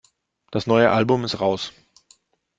Das neue Album ist raus.